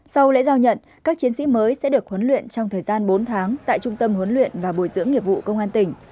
sau lễ giao nhận các chiến sĩ mới sẽ được huấn luyện trong thời gian bốn tháng tại trung tâm huấn luyện và bồi dưỡng nghiệp vụ công an tỉnh